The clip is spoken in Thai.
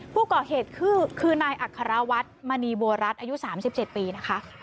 ผู้ก่อเหตุคือนายอัครวัฒน์มณีบัวรัฐอายุ๓๗ปีนะคะ